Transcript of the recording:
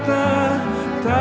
tapi aku berhutang